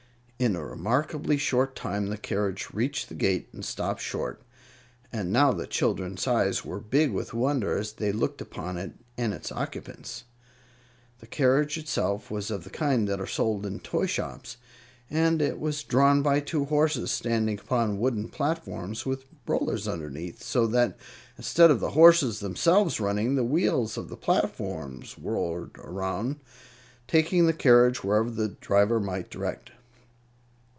In a remarkably short time the carriage reached the gate and stopped short, and now the children's eyes were big with wonder as they looked upon it and its occupants. The carriage itself was of the kind that are sold in toy shops, and it was drawn by two horses standing upon wooden platforms with rollers underneath, so that instead of the horses themselves running, the wheels of the platforms whirled around, taking the carriage wherever the driver might direct.